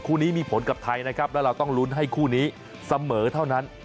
คู่นี้มีผลกับไทยนะครับแล้วเราต้องลุ้นให้คู่นี้เสมอเท่านั้น